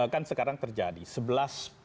kan sekarang terjadi sebelas